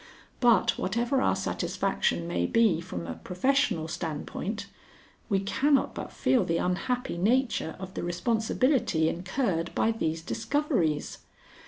But whatever our satisfaction may be from a professional standpoint, we cannot but feel the unhappy nature of the responsibility incurred by these discoveries.